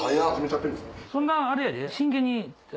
そんなあれやで。